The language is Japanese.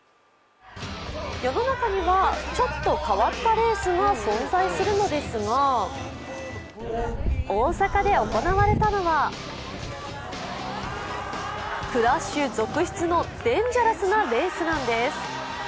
世の中にはちょっと変わったレースが存在するのですが大阪で行われたのはクラッシュ続出のデンジャラスなレースなんです。